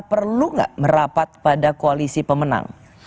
perlu nggak merapat pada koalisi pemenang